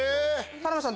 田辺さん